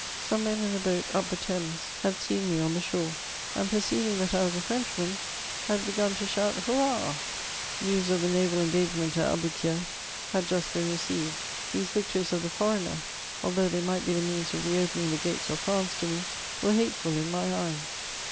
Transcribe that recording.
Some men in a boat up the Thames had seen me on the shore, and perceiving that I was a Frenchman, had begun to shout 438 MEMOIRS OF ^ hurrah." News of the n&Til e^;ageineQt at Abonkir liad jost been reoeived : these Tictoiief o£ the £are^;iier, although &ej might be the means of re opening the gates of France to me, wen hateful in m j eyes.